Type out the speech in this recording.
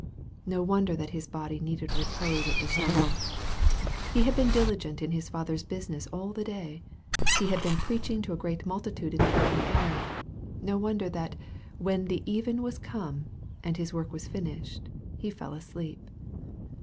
No wonder that His body needed repose at this time. He had been diligent in His Father's business all the day. He had been preaching to a great multitude in the open air. No wonder that " when the even was come," and His work finished, he fell " asleep."